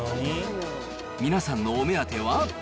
皆さんのお目当ては？